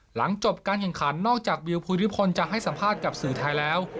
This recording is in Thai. หลังจบการแข่งขันนอกจากวิวภูริพลจะให้สัมภาษณ์กับสื่อไทยแล้ว